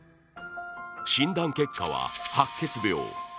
診断結果は白血病。